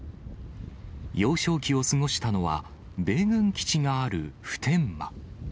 幼少期を過ごしたのは、米軍基地がある普天間。